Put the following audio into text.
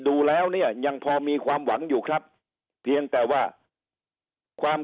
ดูแล้วเนี่ยยังพอมีความหวังอยู่ครับเพียงแต่ว่าความ